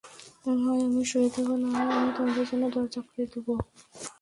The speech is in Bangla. হয় আমি শহীদ হব, না হয় আমি তোমাদের জন্য দরজা খুলে দিব।